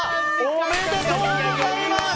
おめでとうございます！